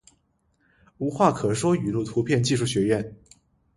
无话可说语录图片技术学院